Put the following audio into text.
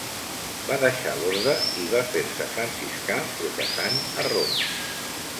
Va deixar l'orde i va fer-se franciscà, professant a Roma.